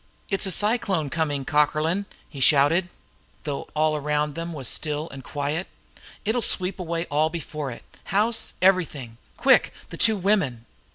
"It's a cyclone coming, Cockerlyne!" he shouted, though all around them was still and quiet. "It'll sweep all before it house, everything! Quick the two women!"